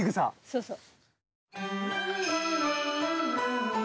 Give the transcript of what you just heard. そうそう。